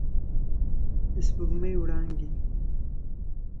د سپوږمۍ وړانګې